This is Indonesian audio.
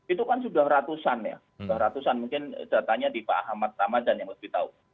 itu kan sudah ratusan ya sudah ratusan mungkin datanya di pak ahmad ramadan yang lebih tahu